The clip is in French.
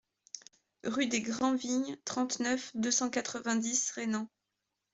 Rue des Grand Vignes, trente-neuf, deux cent quatre-vingt-dix Rainans